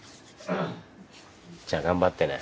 じゃあ頑張ってね。